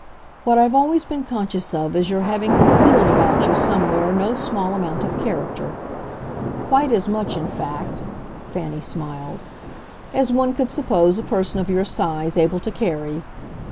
What I've always been conscious of is your having concealed about you somewhere no small amount of character; quite as much in fact," Fanny smiled, "as one could suppose a person of your size able to carry.